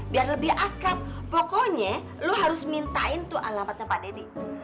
biar lebih akrab pokoknya lo harus mintain tuh alamatnya pak deddy